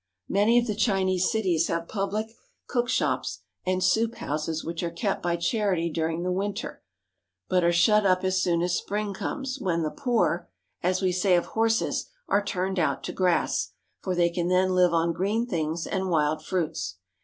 Many of the Chinese cities have public cookshops and soup houses which are kept by charity during the winter, but are shut up as soon as spring comes, when the poor, as we say of horses, are turned out to grass, for they can then live on green things and wild fruits.